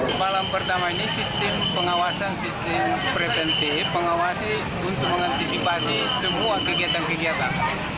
untuk malam pertama ini sistem pengawasan sistem preventif pengawasi untuk mengantisipasi semua kegiatan kegiatan